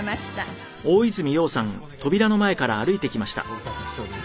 ご無沙汰しております。